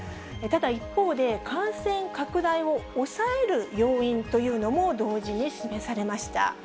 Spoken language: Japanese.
ただ、一方で、感染拡大を抑える要因というのも、同時に示されました。